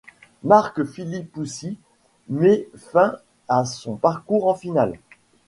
Mark Philippoussis met fin à son parcours en finale.